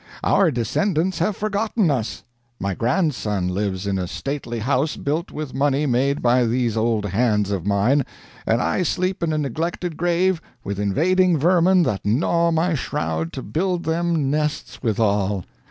Our descendants have forgotten us. My grandson lives in a stately house built with money made by these old hands of mine, and I sleep in a neglected grave with invading vermin that gnaw my shroud to build them nests withal!